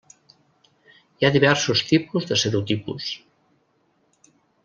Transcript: Hi ha diversos tipus de serotipus.